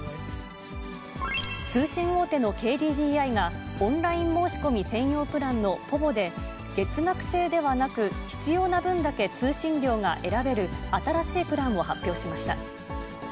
通信大手のＫＤＤＩが、オンライン申し込み専用プランのｐｏｖｏで、月額制ではなく必要な分だけ通信量が選べる新しいプランを発表しました。